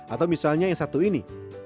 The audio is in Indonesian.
atau misalnya yang satu ini